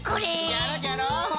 じゃろじゃろ。